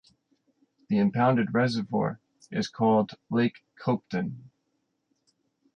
The impounded reservoir is called Lake Copeton.